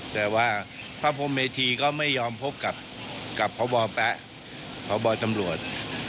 แต่ว่าพระพรมเมธีก็ไม่ยอมพบกับพบแป๊ะพบตำรวจ